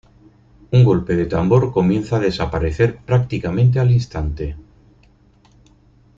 Un golpe de tambor comienza a desaparecer prácticamente al instante.